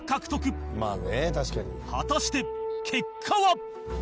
果たして結果は